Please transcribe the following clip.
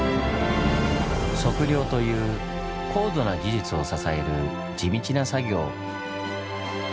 測量という高度な技術を支える地道な作業。